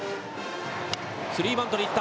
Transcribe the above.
スリーバントにいった。